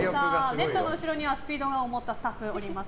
ネットの後ろにはスピードガンを持ったスタッフがいます。